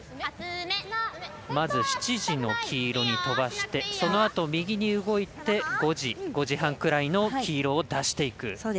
まず７時の黄色に飛ばしてそのあと、右に動いて５時５時半ぐらいの黄色を出していく。